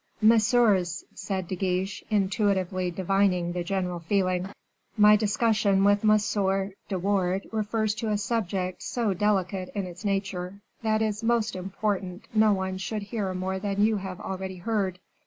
"Messieurs," said De Guiche, intuitively divining the general feeling, "my discussion with Monsieur de Wardes refers to a subject so delicate in its nature, that it is most important no one should hear more than you have already heard.